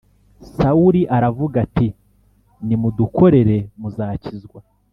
Sawuli aravuga ati nimudukorera muzakizwa